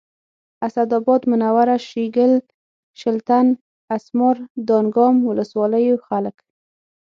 اسداباد منوره شیګل شلتن اسمار دانګام ولسوالیو خلک